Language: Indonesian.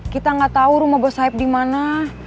kita gak tahu rumah bos saip di mana